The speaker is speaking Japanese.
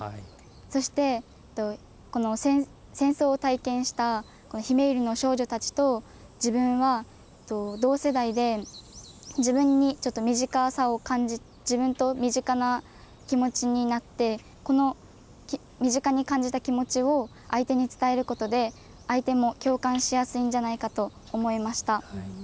そして、この戦争を体験したひめゆりの少女たちと自分は同世代で、自分にちょっと身近さを感じて、自分と身近な気持ちになって、この身近に感じた気持ちを相手に伝えることで、相手も共感しやすいんじゃないかと思いました。